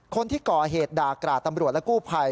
คนที่ก่อเหตุด่ากราดตำรวจและกู้ภัย